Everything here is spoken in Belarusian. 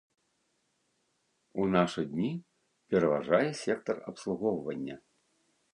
У нашы дні пераважае сектар абслугоўвання.